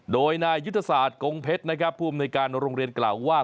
โดยนายยุทธศาสตร์กงเพชรนะครับผู้อำนวยการโรงเรียนกล่าวว่า